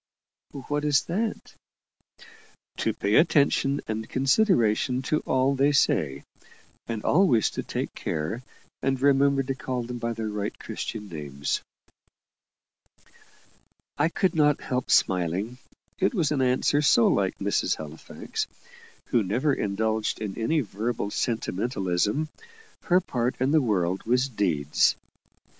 "What is that?" "To pay attention and consideration to all they say; and always to take care and remember to call them by their right Christian names." I could not help smiling it was an answer so like Mrs. Halifax, who never indulged in any verbal sentimentalism. Her part in the world was deeds.